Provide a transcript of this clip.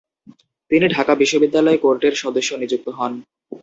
তিনি ঢাকা বিশ্ববিদ্যালয় কোর্টের সদস্য নিযুক্ত হন।